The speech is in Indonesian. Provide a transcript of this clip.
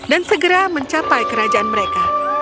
dan segera mencapai kerajaan mereka